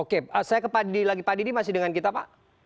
oke saya ke pak didi lagi pak didi masih dengan kita pak